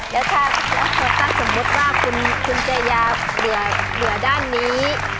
แล้วถ้าคุณเจยาเหลือด้านนี้